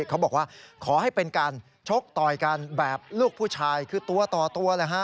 เขาบอกว่าขอให้เป็นการชกต่อยกันแบบลูกผู้ชายคือตัวต่อตัวเลยฮะ